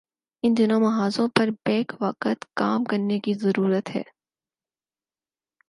ان دونوں محاذوں پر بیک وقت کام کرنے کی ضرورت ہے۔